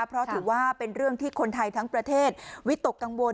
เพราะถือว่าเป็นเรื่องที่คนไทยทั้งประเทศวิตกกังวล